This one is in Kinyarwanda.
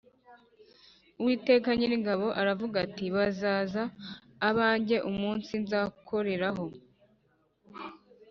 Uwiteka Nyiringabo aravuga ati “Bazaba abanjye umunsi nzakoreraho